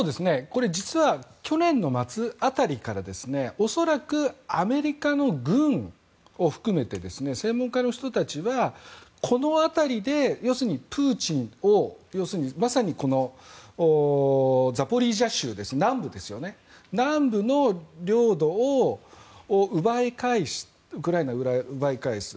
実は去年の末辺りから恐らくアメリカの軍を含めて専門家の人たちはこの辺りでザポリージャ州、南部の領土をウクライナが奪い返す。